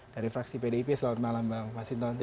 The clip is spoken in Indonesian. dari fraksi pdip selamat malam masinton